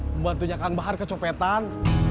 membantunya kang bahar kecopetan